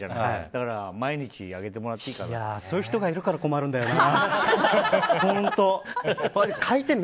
だから毎日上げてもらってそういう人がいるから困るんだよな。